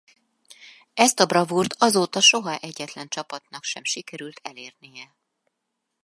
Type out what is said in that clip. Ezt a bravúrt azóta soha egyetlen csapatnak sem sikerült elérnie.